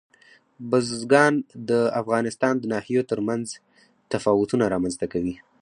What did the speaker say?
بزګان د افغانستان د ناحیو ترمنځ تفاوتونه رامنځ ته کوي.